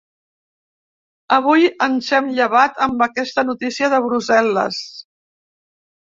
Avui ens hem llevat amb aquesta notícia de Brussel·les.